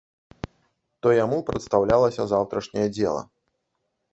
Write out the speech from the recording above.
То яму прадстаўлялася заўтрашняе дзела.